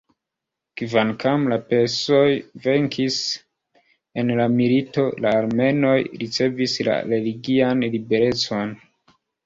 Kvankam la persoj venkis en la milito, la armenoj ricevis la religian liberecon.